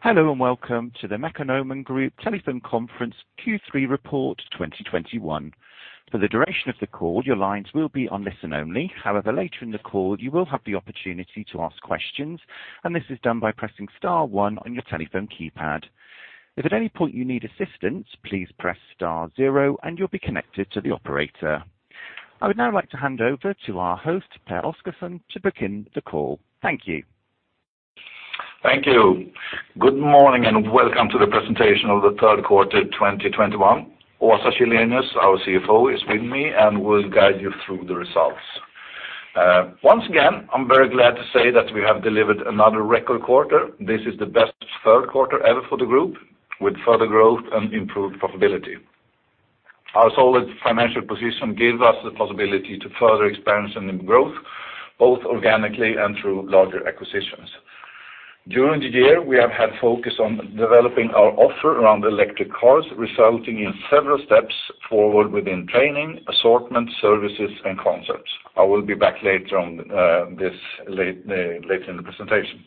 Hello, and welcome to the Mekonomen Group Telephone Conference Q3 Report 2021. For the duration of the call, your lines will be on listen only. However, later in the call, you will have the opportunity to ask questions, and this is done by pressing star one on your telephone keypad. If at any point you need assistance, please press star zero, and you'll be connected to the operator. I would now like to hand over to our host, Pehr Oscarson, to begin the call. Thank you. Thank you. Good morning, and welcome to the presentation of the third quarter 2021. Åsa Källenius, our CFO, is with me and will guide you through the results. Once again, I'm very glad to say that we have delivered another record quarter. This is the best third quarter ever for the group, with further growth and improved profitability. Our solid financial position gives us the possibility to further expansion and growth, both organically and through larger acquisitions. During the year, we have had focus on developing our offer around electric cars, resulting in several steps forward within training, assortment, services, and concepts. I will be back later in the presentation.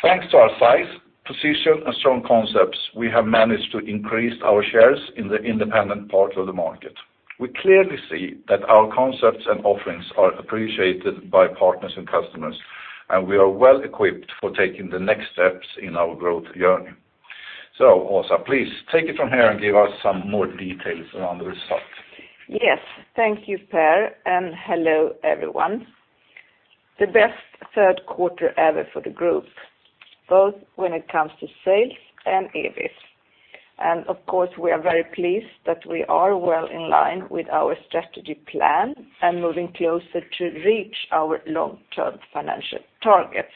Thanks to our size, position, and strong concepts, we have managed to increase our shares in the independent part of the market. We clearly see that our concepts and offerings are appreciated by partners and customers, and we are well-equipped for taking the next steps in our growth journey. Åsa, please take it from here and give us some more details around the results. Yes. Thank you, Pehr, and hello, everyone. The best third quarter ever for the group, both when it comes to sales and EBIT. Of course, we are very pleased that we are well in line with our strategy plan and moving closer to reach our long-term financial targets.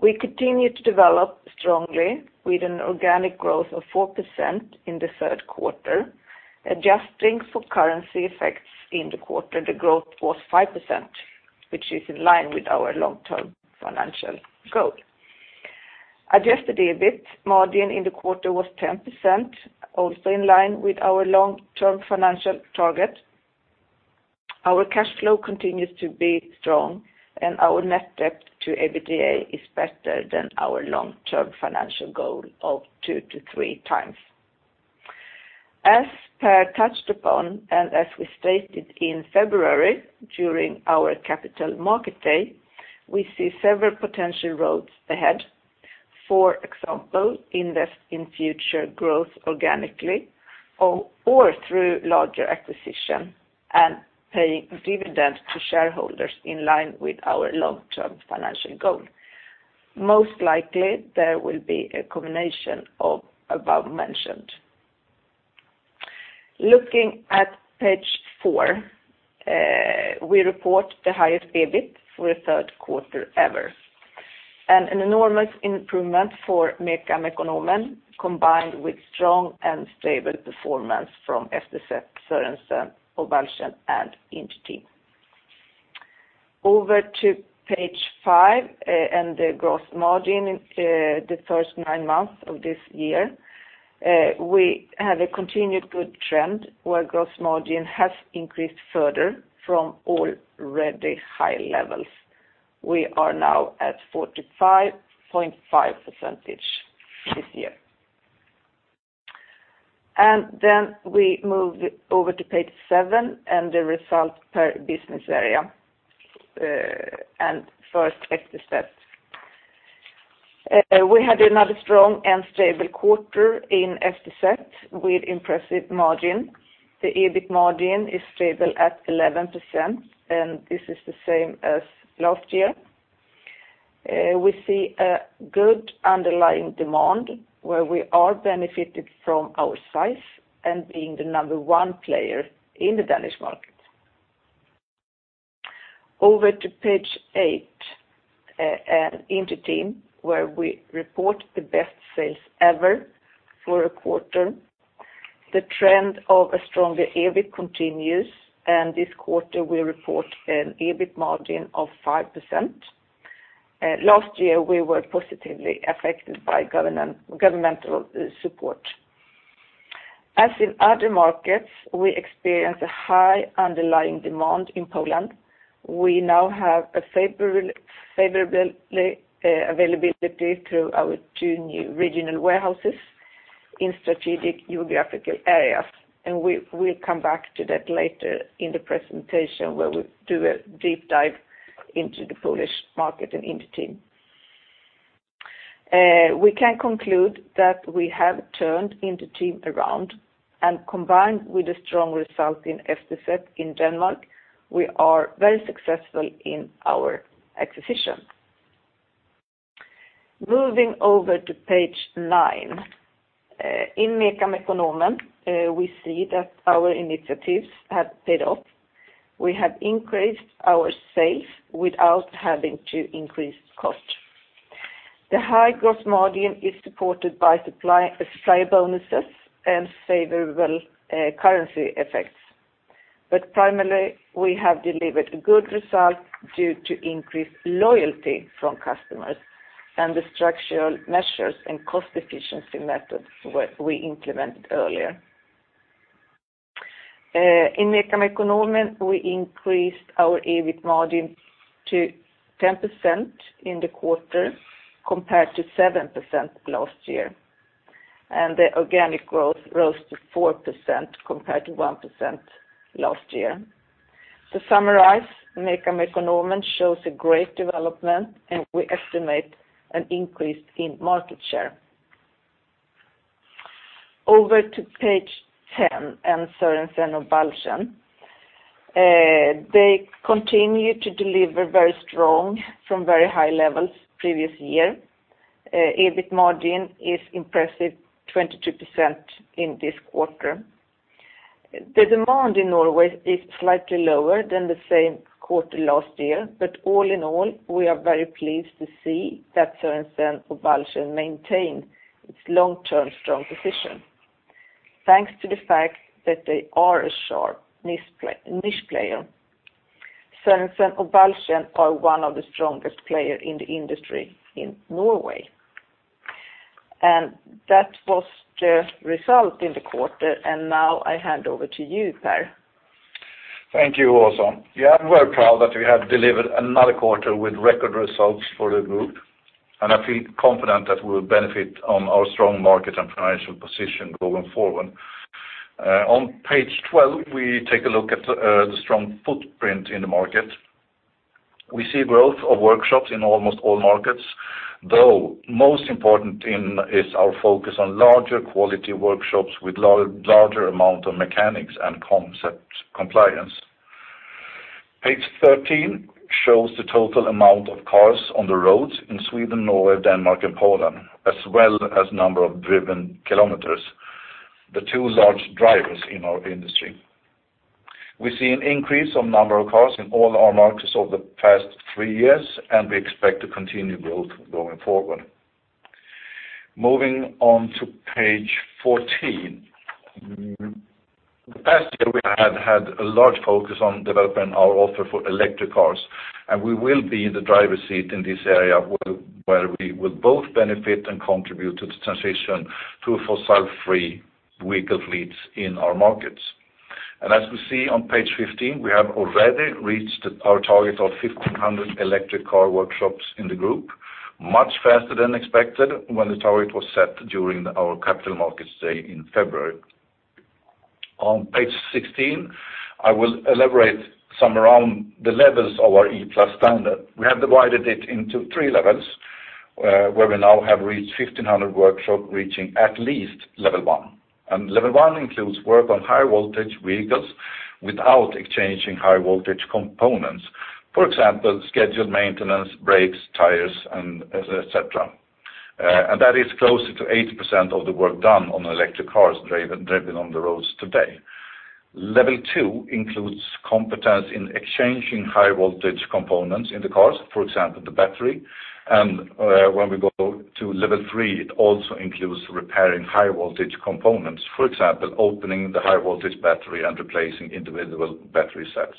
We continue to develop strongly with an organic growth of 4% in the third quarter. Adjusting for currency effects in the quarter, the growth was 5%, which is in line with our long-term financial goal. Adjusted EBIT margin in the quarter was 10%, also in line with our long-term financial target. Our cash flow continues to be strong, and our net debt to EBITDA is better than our long-term financial goal of 2x to 3x. As Pehr touched upon, and as we stated in February during our Capital Markets Day, we see several potential roads ahead. For example, invest in future growth organically or through larger acquisition and paying dividend to shareholders in line with our long-term financial goal. Most likely, there will be a combination of above mentioned. Looking at Page 4, we report the highest EBIT for the third quarter ever, and an enormous improvement for Mekonomen, combined with strong and stable performance from FTZ, Sørensen og Balchen, and Inter-Team. Over to Page 5 and the gross margin for the first nine months of this year. We have a continued good trend where gross margin has increased further from already high levels. We are now at 45.5% this year. Then we move over toPage 7 and the result per business area, and first FTZ. We had another strong and stable quarter in FTZ with impressive margin. The EBIT margin is stable at 11%, and this is the same as last year. We see a good underlying demand where we are benefited from our size and being the number one player in the Danish market. Over to Page 8, Inter-Team, where we report the best sales ever for a quarter. The trend of a stronger EBIT continues, and this quarter we report an EBIT margin of 5%. Last year, we were positively affected by governmental support. As in other markets, we experience a high underlying demand in Poland. We now have a favorable availability through our two new regional warehouses in strategic geographical areas, and we'll come back to that later in the presentation where we do a deep dive into the Polish market in Inter-Team. We can conclude that we have turned Inter-Team around, and combined with a strong result in FTZ in Denmark, we are very successful in our acquisition. Moving over to page nine, in Mekonomen, we see that our initiatives have paid off. We have increased our sales without having to increase cost. The high gross margin is supported by supply, supplier bonuses and favorable currency effects. Primarily, we have delivered good results due to increased loyalty from customers and the structural measures and cost efficiency methods we implemented earlier. In Mekonomen, we increased our EBIT margin to 10% in the quarter compared to 7% last year. The organic growth rose to 4% compared to 1% last year. To summarize, Mekonomen shows a great development, and we estimate an increase in market share. Over to page ten and Sørensen og Balchen. They continue to deliver very strong from very high levels previous year. EBIT margin is impressive, 22% in this quarter. The demand in Norway is slightly lower than the same quarter last year. All in all, we are very pleased to see that Sørensen og Balchen maintain its long-term strong position. Thanks to the fact that they are a sharp niche player. Sørensen og Balchen are one of the strongest player in the industry in Norway. That was the result in the quarter. Now I hand over to you, Pehr Oscarson. Thank you, Åsa. Yeah, I'm very proud that we have delivered another quarter with record results for the group, and I feel confident that we'll benefit on our strong market and financial position going forward. On Page 12, we take a look at the strong footprint in the market. We see growth of workshops in almost all markets, though most important is our focus on larger quality workshops with larger amount of mechanics and concept compliance. Page 13 shows the total amount of cars on the roads in Sweden, Norway, Denmark, and Poland, as well as number of driven kilometers, the two large drivers in our industry. We see an increase of number of cars in all our markets over the past three years, and we expect to continue growth going forward. Moving on to Page 14. The past year, we have had a large focus on developing our offer for electric cars, and we will be in the driver's seat in this area where we will both benefit and contribute to the transition to fossil-free vehicle fleets in our markets. As we see on Page 15, we have already reached our target of 1,500 electric car workshops in the group, much faster than expected when the target was set during our Capital Markets Day in February. On Page 16, I will elaborate some around the levels of our E+ standard. We have divided it into three levels, where we now have reached 1,500 workshops reaching at least Level 1. Level 1 includes work on high voltage vehicles without exchanging high voltage components. For example, scheduled maintenance, brakes, tires, and et cetera. That is closer to 80% of the work done on electric cars driven on the roads today. Level 2 includes competence in exchanging high voltage components in the cars, for example, the battery. When we go to Level 3, it also includes repairing high voltage components, for example, opening the high voltage battery and replacing individual battery cells.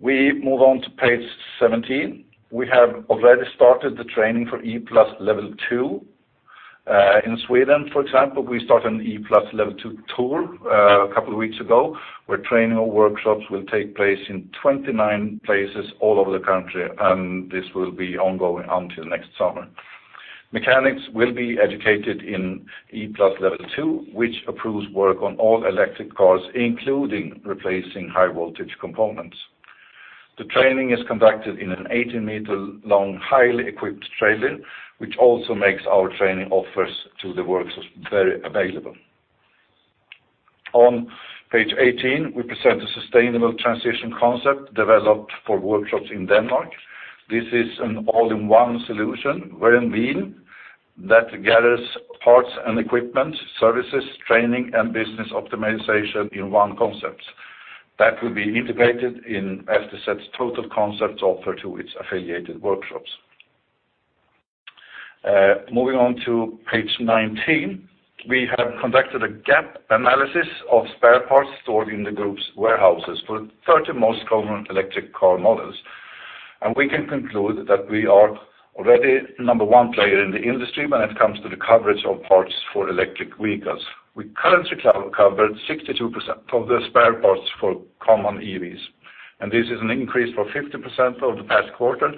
We move on to Page 17. We have already started the training for E+ Level 2. In Sweden, for example, we start an E+ Level 2 tour a couple of weeks ago, where training or workshops will take place in 29 places all over the country, and this will be ongoing until next summer. Mechanics will be educated in E+ Level 2, which approves work on all electric cars, including replacing high voltage components. The training is conducted in an 80-meter-long, highly equipped trailer, which also makes our training offers to the workshops very available. On Page 18, we present a sustainable transition concept developed for workshops in Denmark. This is an all-in-one solution which means that gathers parts and equipment, services, training, and business optimization in one concept that will be integrated in aftersales total concept offer to its affiliated workshops. Moving on to Page 19. We have conducted a gap analysis of spare parts stored in the group's warehouses for 30 most common electric car models. We can conclude that we are already number one player in the industry when it comes to the coverage of parts for electric vehicles. We currently cover 62% of the spare parts for common EVs, and this is an increase of 50% over the past quarter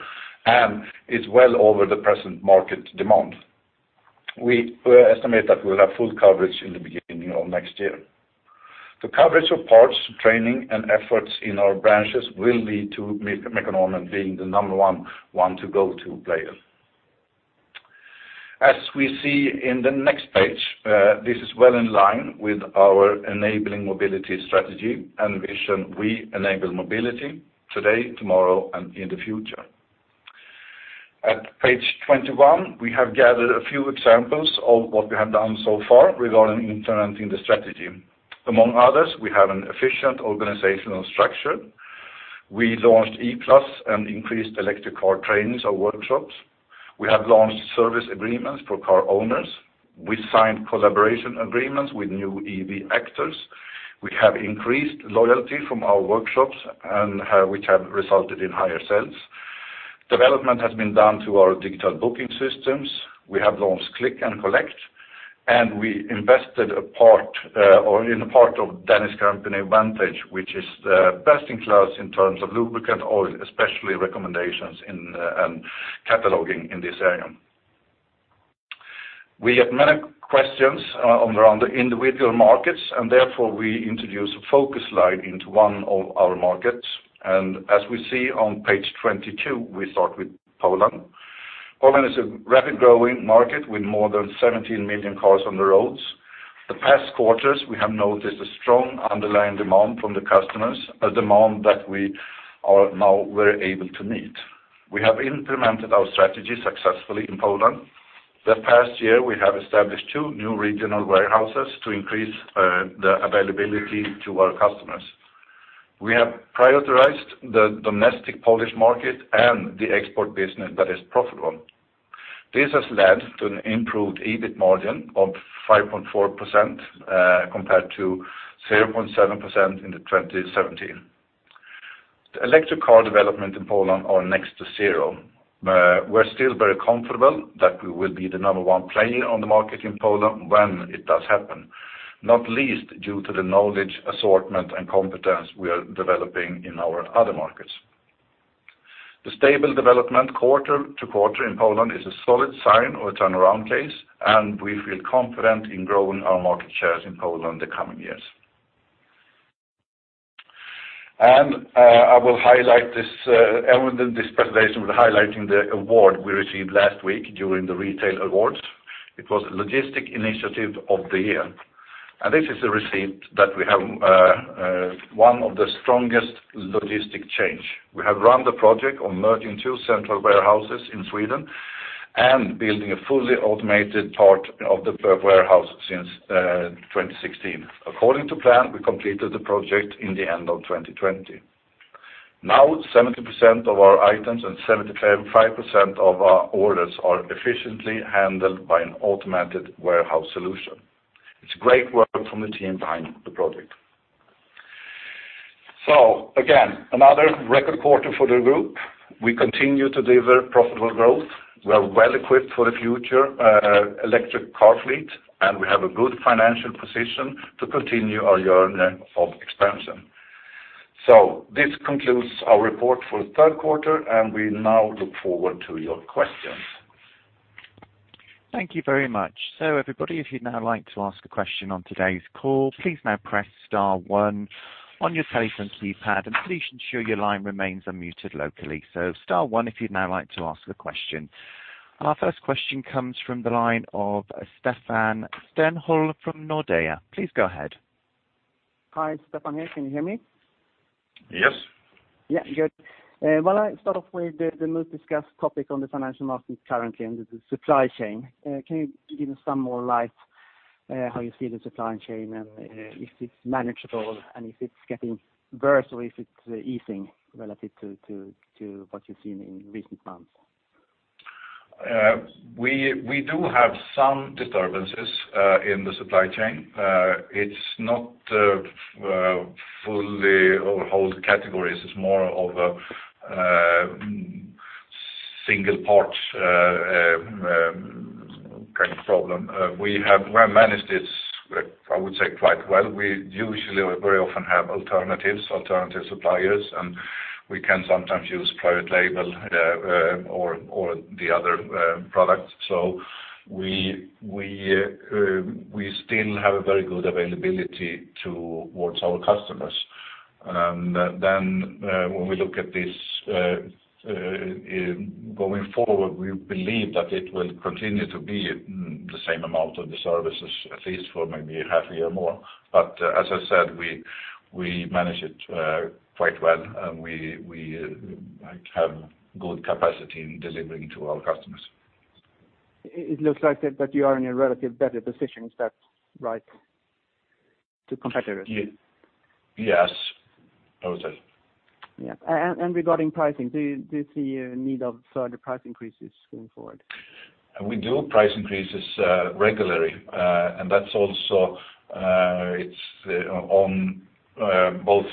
and is well over the present market demand. We estimate that we'll have full coverage in the beginning of next year. The coverage of parts, training, and efforts in our branches will lead to Mekonomen being the number one go-to player. This is well in line with our enabling mobility strategy and vision. We enable mobility today, tomorrow, and in the future. On Page 21, we have gathered a few examples of what we have done so far regarding implementing the strategy. Among others, we have an efficient organizational structure. We launched E+ and increased electric car trainings or workshops. We have launched service agreements for car owners. We signed collaboration agreements with new EV actors. We have increased loyalty from our workshops and, which have resulted in higher sales. Development has been done to our digital booking systems. We have launched click and collect, and we invested a part, or in a part of Danish company Vantage, which is the best in class in terms of lubricant oil, especially recommendations in, and cataloging in this area. We have many questions on the individual markets, and therefore we introduce a focus line into one of our markets. As we see on Page 22, we start with Poland. Poland is a rapid growing market with more than 17 million cars on the roads. The past quarters, we have noticed a strong underlying demand from the customers, a demand that we are now very able to meet. We have implemented our strategy successfully in Poland. In the past year, we have established two new regional warehouses to increase the availability to our customers. We have prioritized the domestic Polish market and the export business that is profitable. This has led to an improved EBIT margin of 5.4%, compared to 0.7% in 2017. The electric car development in Poland are next to zero. We're still very comfortable that we will be the number one player on the market in Poland when it does happen, not least due to the knowledge, assortment, and competence we are developing in our other markets. The stable development quarter-to-quarter in Poland is a solid sign of a turnaround case, and we feel confident in growing our market shares in Poland in the coming years. I will highlight this and end this presentation with highlighting the award we received last week during the Retail Awards. It was Logistics Initiative of the Year, and this is a receipt that we have one of the strongest logistics chains. We have run the project on merging two central warehouses in Sweden and building a fully automated part of the warehouse since 2016. According to plan, we completed the project in the end of 2020. Now, 70% of our items and 75% of our orders are efficiently handled by an automated warehouse solution. It's great work from the team behind the project. Again, another record quarter for the group. We continue to deliver profitable growth. We are well equipped for the future electric car fleet, and we have a good financial position to continue our journey of expansion. This concludes our report for the third quarter, and we now look forward to your questions. Thank you very much. Everybody, if you'd now like to ask a question on today's call, please now press star one on your telephone keypad, and please ensure your line remains unmuted locally. Star one if you'd now like to ask a question. Our first question comes from the line of Stefan Stjernholm from Nordea. Please go ahead. Hi. Stefan here. Can you hear me? Yes. Yeah. Good. Well, I start off with the most discussed topic on the financial market currently, and it's the supply chain. Can you shed some more light on how you see the supply chain and if it's manageable and if it's getting worse or if it's easing relative to what you've seen in recent months? We do have some disturbances in the supply chain. It's not full or whole categories. It's more of a single parts kind of problem. We have well managed this, I would say quite well. We usually very often have alternatives, alternative suppliers, and we can sometimes use private label or the other products. We still have a very good availability towards our customers. When we look at this going forward, we believe that it will continue to be the same amount of disturbances, at least for maybe half a year more. As I said, we manage it quite well, and we have good capacity in delivering to our customers. It looks like that you are in a relatively better position. Is that right to competitors? Yes, I would say. Yeah. Regarding pricing, do you see a need of further price increases going forward? We do price increases regularly, and that's also. It's on both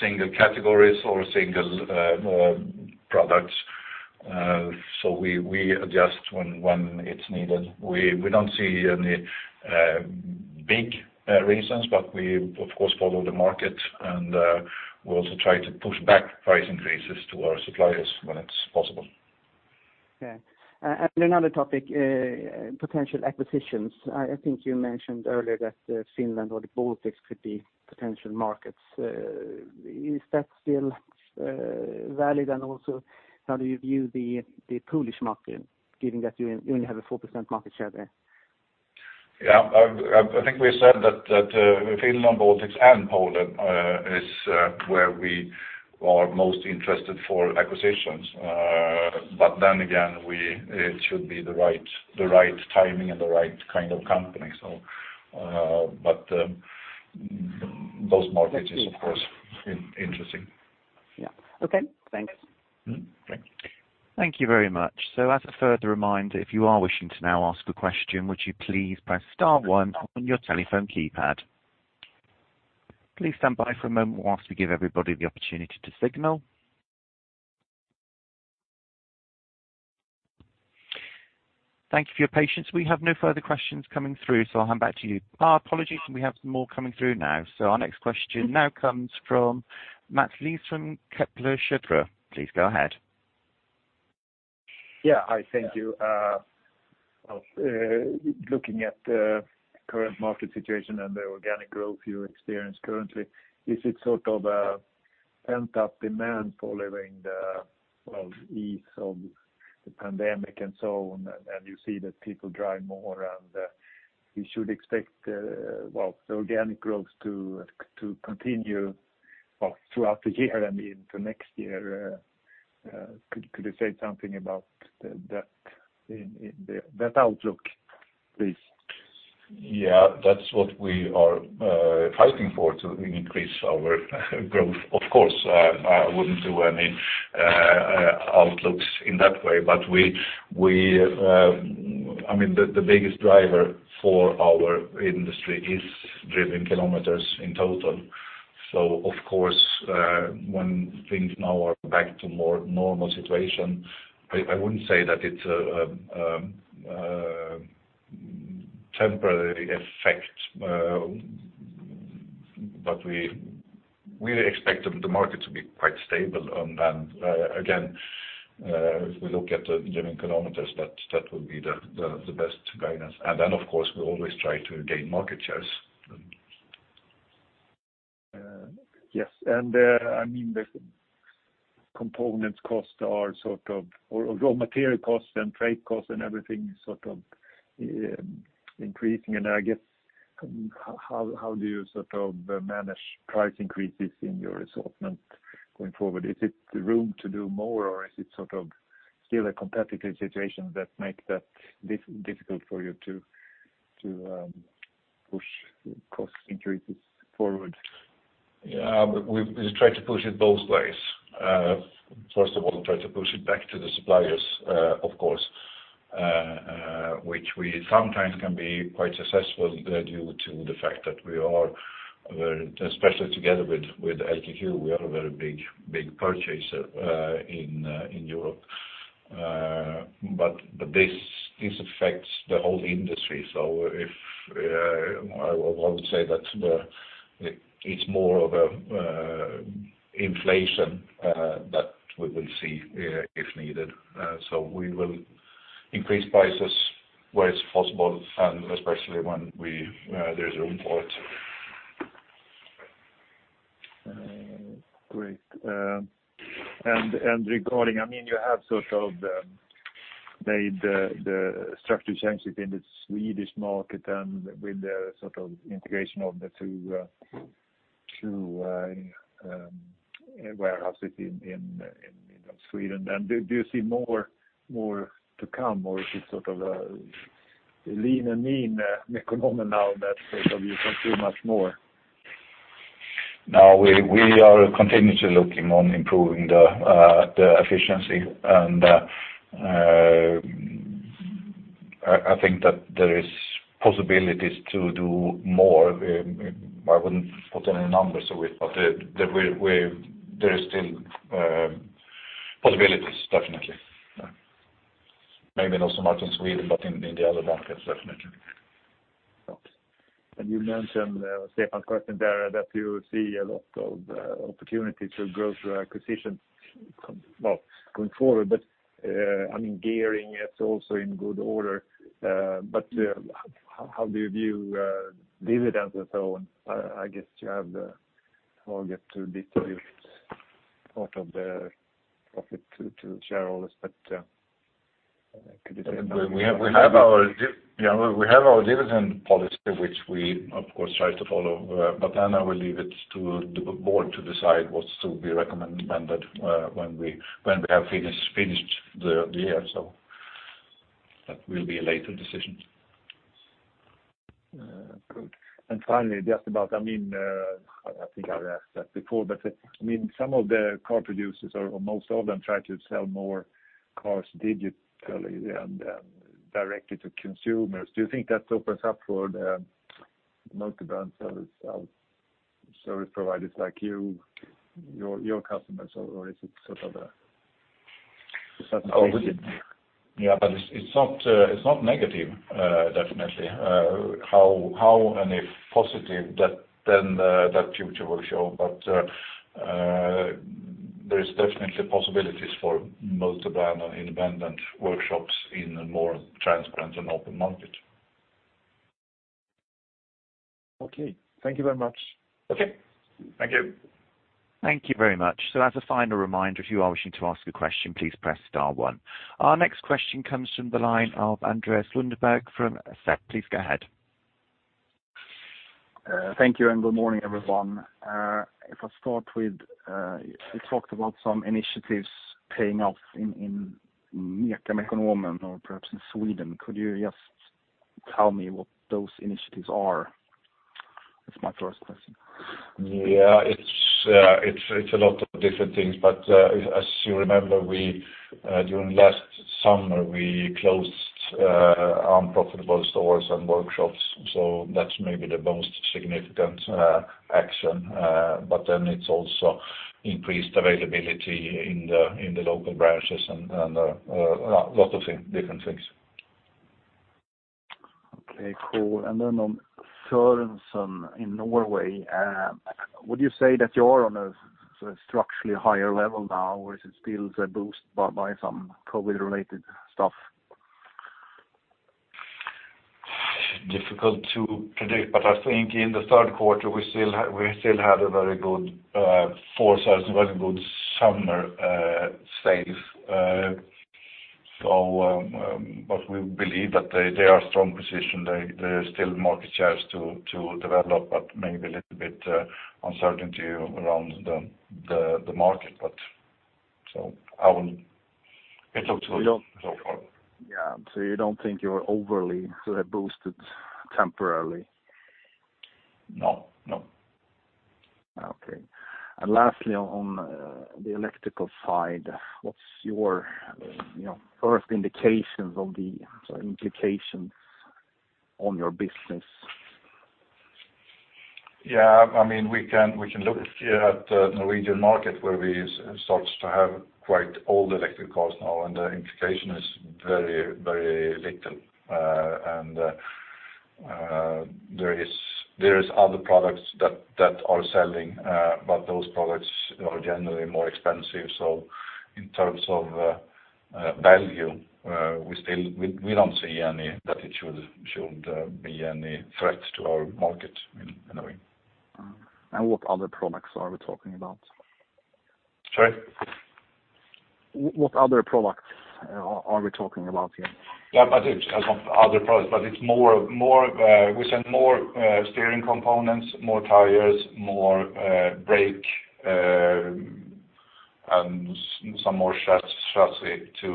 single categories or single products. We adjust when it's needed. We don't see any big reasons, but we of course follow the market, and we also try to push back price increases to our suppliers when it's possible. Okay. Another topic, potential acquisitions. I think you mentioned earlier that Finland or the Baltics could be potential markets. Is that still valid? And also how do you view the Polish market given that you only have a 4% market share there? Yeah. I think we said that Finland, Baltics, and Poland is where we are most interested for acquisitions. It should be the right timing and the right kind of company. Those markets is of course interesting. Yeah. Okay. Thanks. Mm-hmm. Thanks. Thank you very much. As a further reminder, if you are wishing to now ask a question, would you please press star one on your telephone keypad? Please stand by for a moment while we give everybody the opportunity to signal. Thank you for your patience. We have no further questions coming through, so I'll hand back to you. Our apologies, and we have some more coming through now. Our next question now comes from Matt Lees from Kepler Cheuvreux. Please go ahead. Hi, thank you. Looking at the current market situation and the organic growth you experience currently, is it sort of a pent-up demand following the ease of the pandemic and so on, and you see that people drive more and we should expect the organic growth to continue throughout the year and into next year? Could you say something about that in that outlook, please? Yeah. That's what we are fighting for, to increase our growth. Of course, I wouldn't do any outlooks in that way. I mean, the biggest driver for our industry is driven kilometers in total. Of course, when things now are back to more normal situation, I wouldn't say that it's a temporary effect, but we expect the market to be quite stable. Again, if we look at the driven kilometers, that will be the best guidance. Of course, we always try to gain market shares. Yes. I mean, raw material costs and trade costs and everything is sort of increasing. I guess, how do you sort of manage price increases in your assortment going forward? Is there room to do more, or is it sort of still a competitive situation that makes that difficult for you to push cost increases forward? We try to push it both ways. First of all, we try to push it back to the suppliers, of course, which we sometimes can be quite successful due to the fact that we are very, especially together with LKQ, we are a very big purchaser in Europe. This affects the whole industry. I would say that it's more of an inflation that we will see if needed. We will increase prices where it's possible, and especially when there's room for it. Great. Regarding, I mean, you have sort of made the structure changes in the Swedish market and with the sort of integration of the two Sweden. Do you see more to come, or is it sort of a lean and mean Mekonomen now that sort of you can do much more? No, we are continuously looking on improving the efficiency. I think that there is possibilities to do more. I wouldn't put any numbers with it, but there is still possibilities, definitely. Maybe not so much in Sweden, but in the other markets, definitely. You mentioned Stefan's question there, that you see a lot of opportunity to grow through acquisitions, well, going forward. I mean, gearing is also in good order. How do you view dividends and so on? I guess you have the target to distribute out of the profit to shareholders. Could you say something about that? We have our dividend policy, which we, of course, try to follow. I will leave it to the board to decide what's to be recommended when we have finished the year. That will be a later decision. Good. Finally, just about, I mean, I think I've asked that before, but, I mean, some of the car producers or most of them try to sell more cars digitally and directly to consumers. Do you think that opens up for the multi-brand service providers like you, your customers, or is it sort of a substitution? Yeah. It's not negative, definitely. However, any positive that the future will show. There is definitely possibilities for multi-brand and independent workshops in a more transparent and open market. Okay. Thank you very much. Okay. Thank you. Thank you very much. As a final reminder, if you are wishing to ask a question, please press star one. Our next question comes from the line of Andreas Lundberg from SEB. Please go ahead. Thank you and good morning, everyone. If I start with, you talked about some initiatives paying off in Mekonomen or perhaps in Sweden. Could you just tell me what those initiatives are, as my first question? Yeah. It's a lot of different things. As you remember, during last summer we closed unprofitable stores and workshops, so that's maybe the most significant action. It's also increased availability in the local branches and a lot of different things. Okay, cool. On Sørensen in Norway, would you say that you're on a structurally higher level now, or is it still a boost by some COVID-related stuff? Difficult to predict, but I think in the third quarter we still had a very good 4,000 very good summer sales. We believe that they are in a strong position. There is still market shares to develop, but maybe a little bit uncertainty around the market. I will get to it so far. Yeah. You don't think you're overly sort of boosted temporarily? No. Okay. Lastly, on the electrical side, what's your, you know, first indications of the sort of implications on your business? Yeah. I mean, we can look at the Norwegian market where we start to have quite old electric cars now, and the implication is very, very little. There is other products that are selling, but those products are generally more expensive. In terms of value, we still don't see any that it should be any threat to our market in a way. What other products are we talking about? Sorry. What other products are we talking about here? Yeah, I think some other products, but it's more we send more steering components, more tires, more brake and some more chassis to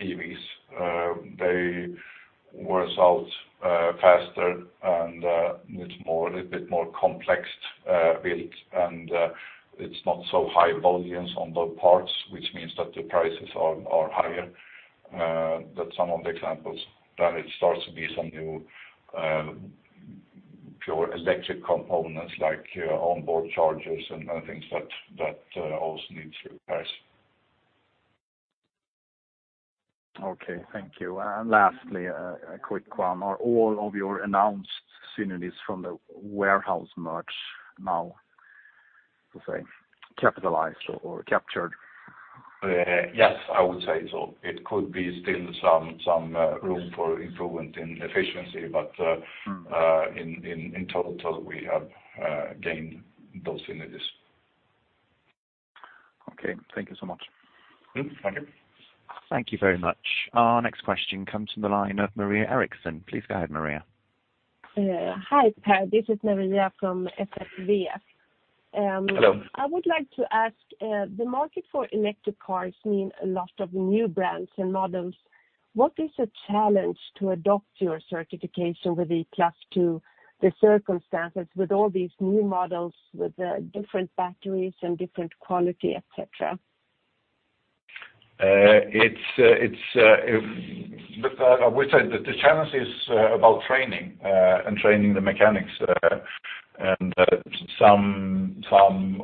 EVs. They wears out faster and it's more a little bit more complex built. It's not so high volumes on the parts, which means that the prices are higher. That's some of the examples. It starts to be some new pure electric components like onboard chargers and other things that also needs repairs. Okay. Thank you. Lastly, a quick one. Are all of your announced synergies from the warehouse merge now, let's say, capitalized or captured? Yes, I would say so. It could be still some room for improvement in efficiency, but in total, we have gained those synergies. Okay. Thank you so much. Mm-hmm. Thank you. Thank you very much. Our next question comes from the line of Maria Eriksson. Please go ahead, Maria. Hi, Per. This is Maria from SSVF. Hello. I would like to ask, the market for electric cars mean a lot of new brands and models. What is a challenge to adopt your certification with the E+ Level 2, the circumstances with all these new models with the different batteries and different quality, et cetera? We say that the challenge is about training the mechanics and,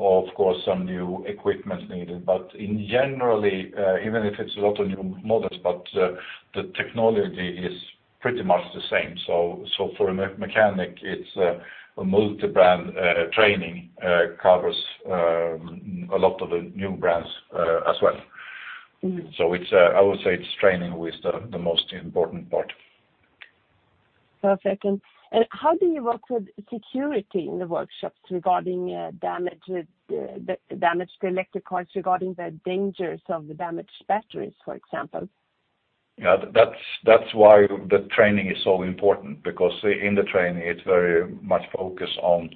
of course, some new equipment needed. In general, even if it's a lot of new models, the technology is pretty much the same. For a mechanic, it's a multi-brand training covers a lot of the new brands as well. Mm-hmm. It's training with the most important part. Perfect. How do you work with security in the workshops regarding the damaged electric cars regarding the dangers of the damaged batteries, for example? Yeah. That's why the training is so important because in the training it's very much focused on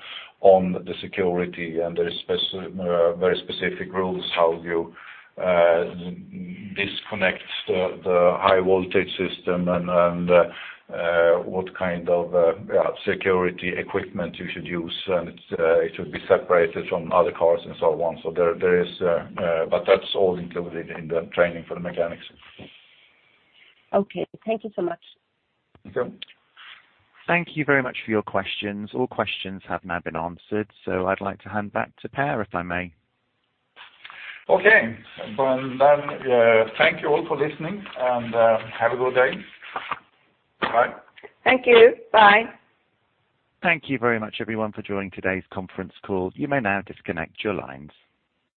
the security and there's very specific rules how you disconnect the high voltage system and what kind of security equipment you should use. It should be separated from other cars and so on. That's all included in the training for the mechanics. Okay. Thank you so much. You're welcome. Thank you very much for your questions. All questions have now been answered, so I'd like to hand back to Per, if I may. Okay. From then, thank you all for listening and, have a good day. Bye. Thank you. Bye. Thank you very much everyone for joining today's conference call. You may now disconnect your lines.